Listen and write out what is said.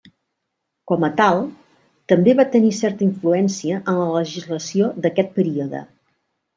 Com a tal, també va tenir certa influència en la legislació d'aquest període.